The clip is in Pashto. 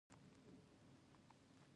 اوږدې کیسې مو وکړې.